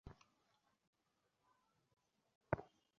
অর্থবলে রাজশক্তিকে সংকীর্ণ করিতে বণিক সদাই ব্যস্ত।